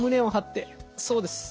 そうです。